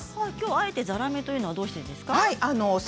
あえてざらめというのはどうしてですか。